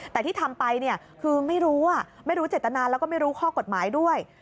แต่ที่ทำไปคือไม่รู้ไม่รู้เจตนาแล้วก็ไม่รู้ข้อกฎหมายด้วย